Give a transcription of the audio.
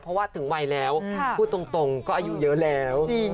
เพราะว่าถึงวัยแล้วพูดตรงก็อายุเยอะแล้ว